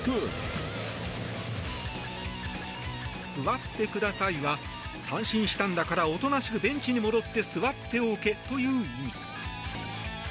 スワッテクダサイは三振したんだからおとなしくベンチに戻って座っておけという意味。